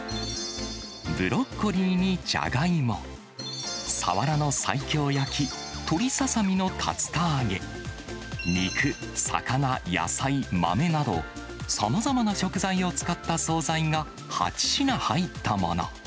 ブロッコリーにジャガイモ、サワラの西京焼き、鶏ささみの竜田揚げ、肉、魚、野菜、豆など、さまざまな食材を使った総菜が８品入ったもの。